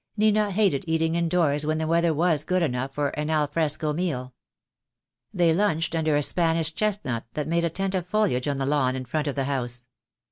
Nita hated eating indoors when the weather was good enough for an al fresco meal. They lunched under a Spanish chestnut that made a tent of foliage on the lawn in front of the house.